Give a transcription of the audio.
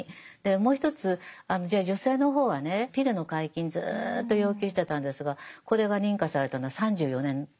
もう一つじゃあ女性の方はねピルの解禁ずっと要求してたんですがこれが認可されたのは３４年かかりましたんで。